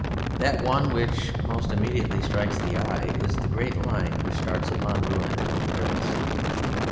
That one which most immediately strikes the eye is the great line which darts upon Rouen from Paris.